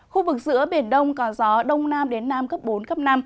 khu vực giữa biển đông có gió đông nam đến nam cấp bốn cấp năm